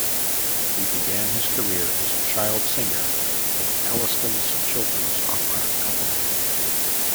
He began his career as a child singer in Elliston's Children's Opera company.